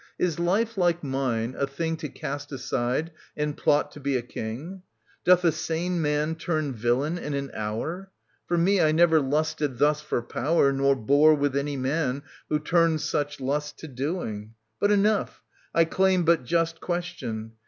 Is life like mine a thing To cast aside and plot to be a King ? Doth a sane man turn villain in an hour ? For me, I never lusted thus for power Nor bore with any man who turned such lust To doing. — But enough. I claim but just Question.